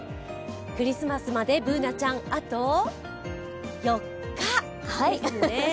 クリスマスまでＢｏｏｎａちゃん、あと４日ですね。